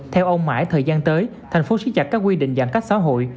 theo ông mãi thời gian tới thành phố xích chặt các quy định giãn cách xã hội